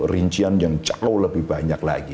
rincian yang jauh lebih banyak lagi